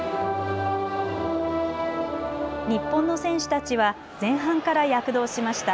日本の選手たちは前半から躍動しました。